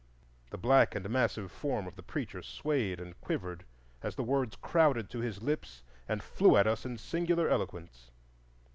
The black and massive form of the preacher swayed and quivered as the words crowded to his lips and flew at us in singular eloquence.